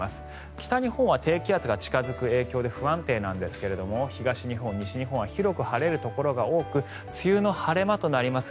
北日本は低気圧が近付く影響で不安定なんですが東日本、西日本は広く晴れるところが多く梅雨の晴れ間となります。